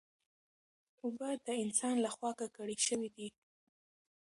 اوبه د انسان له خوا ککړې شوې دي.